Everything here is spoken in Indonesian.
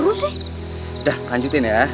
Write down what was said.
udah kanjutin ya